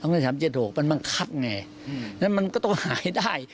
ต้องได้๓๗๖มันบังคัดไงมันก็ต้องหายได้